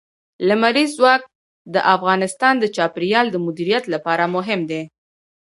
لمریز ځواک د افغانستان د چاپیریال د مدیریت لپاره مهم دي.